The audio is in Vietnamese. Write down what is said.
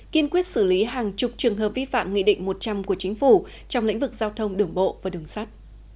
kiên quyết xử lý hàng chục trường hợp vi phạm nghị định một trăm linh của chính phủ trong lĩnh vực giao thông đường bộ và đường sắt